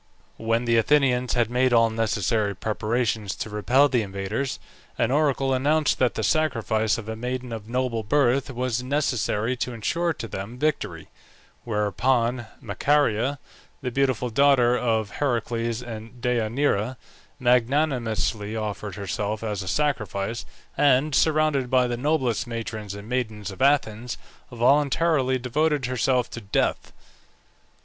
When the Athenians had made all necessary preparations to repel the invaders, an oracle announced that the sacrifice of a maiden of noble birth was necessary to ensure to them victory; whereupon Macaria, the beautiful daughter of Heracles and Deianira, magnanimously offered herself as a sacrifice, and, surrounded by the noblest matrons and maidens of Athens, voluntarily devoted herself to death.